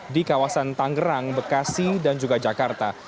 di kawasan tangerang bekasi dan juga jakarta